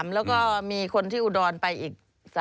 แล้วก็มีคนที่อุดรไปอีก